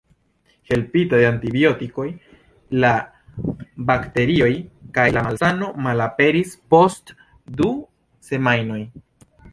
Helpita de antibiotikoj, la bakterioj kaj la malsano malaperis post du semajnoj.